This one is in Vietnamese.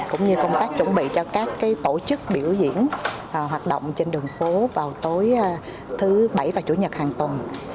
cũng như công tác chuẩn bị cho các tổ chức biểu diễn hoạt động trên đường phố vào tối thứ bảy và chủ nhật hàng tuần